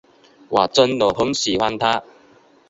我真的很喜欢他。